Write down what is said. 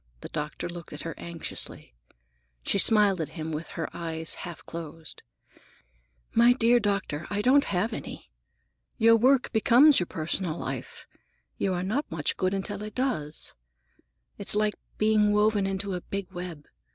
The doctor looked at her anxiously. She smiled at him with her eyes half closed. "My dear doctor, I don't have any. Your work becomes your personal life. You are not much good until it does. It's like being woven into a big web.